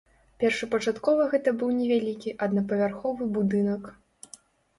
Першапачаткова гэта быў невялікі аднапавярховы будынак.